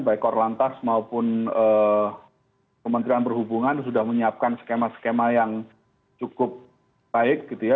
baik korlantas maupun kementerian perhubungan sudah menyiapkan skema skema yang cukup baik gitu ya